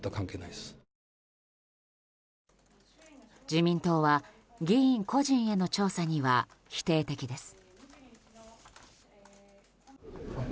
自民党は議員個人への調査には否定的です。